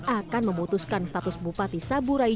akan memutuskan status bupati saburai